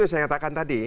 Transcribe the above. ya itu saya katakan tadi